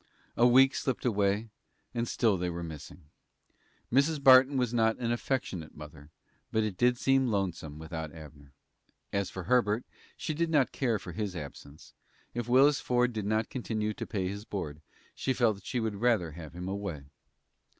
A week slipped away, and still they were missing. Mrs. Barton was not an affectionate mother, but it did seem lonesome without Abner. As for Herbert, she did not care for his absence. If Willis Ford did not continue to pay his board, she felt that she would rather have him away.